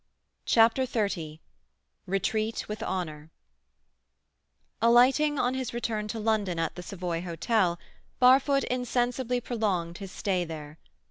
CHAPTER XXX RETREAT WITH HONOUR Alighting, on his return to London, at the Savoy Hotel, Barfoot insensibly prolonged his stay there.